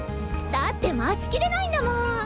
だって待ちきれないんだもん。